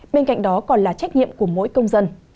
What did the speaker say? bên cạnh đó còn là trách nhiệm của mỗi công dân